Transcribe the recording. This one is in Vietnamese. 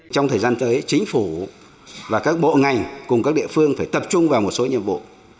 trong thời gian tới chính phủ và các bộ ngành cùng các địa phương phải tập trung vào một số nhiệm vụ